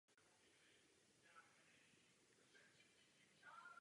Slunce a Alfa Centauri jsou její další nejbližší sousedé.